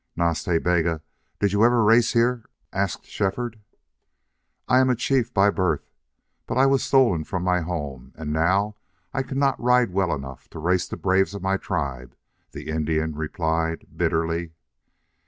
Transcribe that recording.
"Nas Ta Bega, did you ever race here?" asked Shefford. "I am a chief by birth. But I was stolen from my home, and now I cannot ride well enough to race the braves of my tribe," the Indian replied, bitterly.